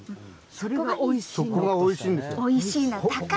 そこが、おいしい。